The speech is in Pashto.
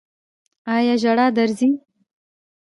ایا ژړا درځي؟